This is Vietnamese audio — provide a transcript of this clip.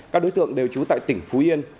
các đối tượng đều trú tại tỉnh phú yên